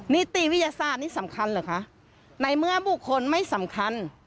นิติวิทยาศาสตร์นี่สำคัญเหรอคะในเมื่อบุคคลไม่สำคัญ